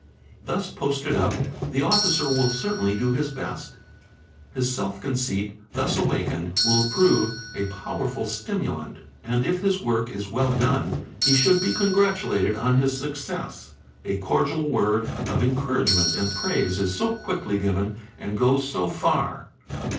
Thus posted up the officer will certainly do his best; his self conceit, thus awakened, will prove a powerful stimulant. And if his work is 'Well done, he should be congratulated on his success; a cordial word of encouragement and praise is so quickly given and goes so far.